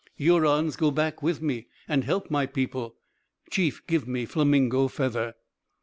Hurons go back with me, and help my people. Chief give me flamingo feather."